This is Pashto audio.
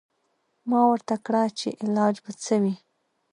ما ورته کړه چې علاج به څه وي.